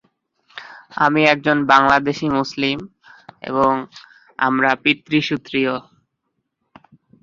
প্রধান চরিত্রটি হল এমন একটি সুপার মডেল যার পিতা আমেরিকান এবং মা ফরাসী।